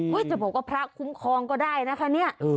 เห้ยดูผมว่าพระกุ้งคลองก็ได้นะคะเนี่ย